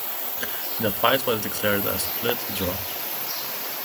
The fight was declared a split draw.